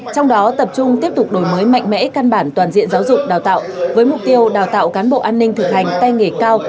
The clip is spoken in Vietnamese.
trong đó tập trung tiếp tục đổi mới mạnh mẽ căn bản toàn diện giáo dục đào tạo với mục tiêu đào tạo cán bộ an ninh thực hành tay nghề cao